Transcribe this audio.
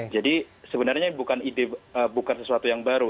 jadi sebenarnya bukan ide bukan sesuatu yang baru